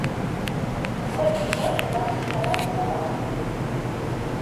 Колькі грошай вам не шкада на забавы?